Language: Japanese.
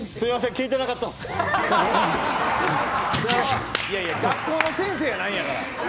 いやいや、学校の先生やないんやから。